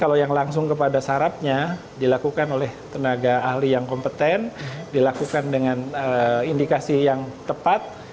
kalau yang langsung kepada sarapnya dilakukan oleh tenaga ahli yang kompeten dilakukan dengan indikasi yang tepat